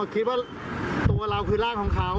คิดว่าตัวเราคือร่างของเขา